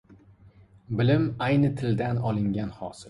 Bilim — ayni tildan olingan hosil!